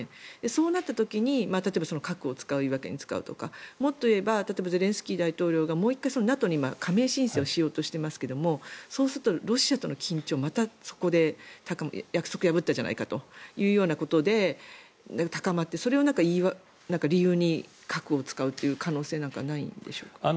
そうなった時に例えば核を言い訳に使うとかもっと言えばゼレンスキー大統領がもう一回ＮＡＴＯに加盟申請をしようとしていますがそうすると、ロシアとの緊張がまたそこで約束破ったじゃないかということで高まって、それを言い訳に核を使う可能性なんかはないんでしょうか。